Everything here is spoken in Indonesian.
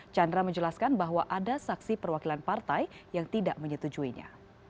chandra menjelaskan bahwa ada saksi perwakilan partai yang tidak menyetujuinya